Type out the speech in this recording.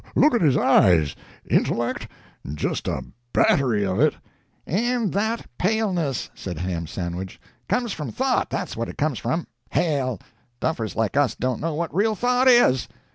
look at his eyes! Intellect? Just a battery of it!" "And that paleness," said Ham Sandwich. "Comes from thought that's what it comes from. Hell! duffers like us don't know what real thought is."